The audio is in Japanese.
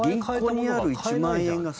銀行にある１万円が。